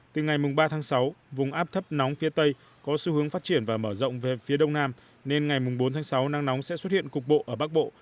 từ ngày ba tháng sáu vùng áp thấp nóng phía tây có xu hướng phát triển và mở rộng về phía đông nam nên ngày bốn tháng sáu nắng nóng sẽ xuất hiện cục bộ ở bắc bộ